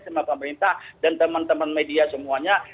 sama pemerintah dan teman teman media semuanya